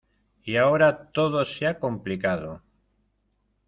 y ahora todo se ha complicado.